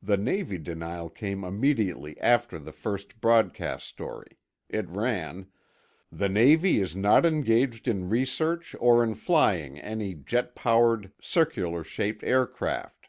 The Navy denial came immediately after the first broadcast story. It ran: "The Navy is not engaged in research or in flying any jet powered, circular shaped aircraft."